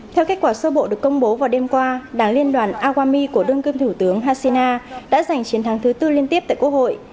theo kết quả sơ bộ được công bố vào đêm qua đảng liên đoàn awami của đơn cưm thủ tướng hasina đã giành chiến thắng thứ tư liên tiếp tại quốc hội